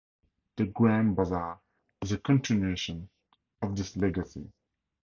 The Grand bazaar is a continuation of this legacy.